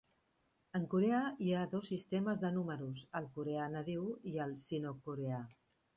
En coreà hi ha dos sistemes de números: el coreà nadiu i el sinocoreà.